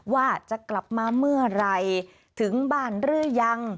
ว่าจะกลับมาเมื่อไหร่ถึงบ้านหรือยัง